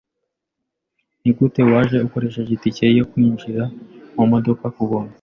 Nigute waje ukoresheje itike yo kwinjira mumodoka kubuntu?